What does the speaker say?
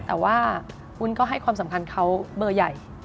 แต่ว่าวุ้นก็ให้ความสำคัญเขาเบอร์ใหญ่